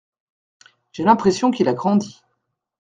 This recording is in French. J’ai l’impression qu’il a grandi.